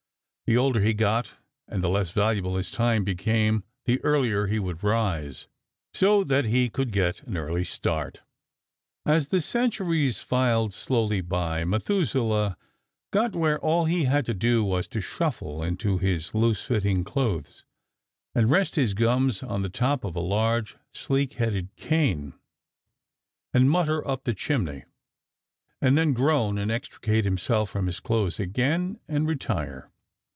The older he got and the less valuable his time became the earlier he would rise, so that he could get an early start. As the centuries filed slowly by Methuselah got where all he had to do was to shuffle into his loose fitting clothes, and rest his gums on the top of a large sleek headed cane, and mutter up the chimney, and then groan and extricate himself from his clothes again and retire.